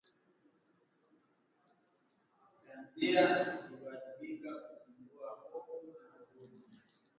Hii ni mara ya kwanza katika kipindi cha muda mrefu Jeshi la Jamuhuri ya Demokrasia ya Kongo linaishutumu